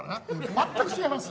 全く違います！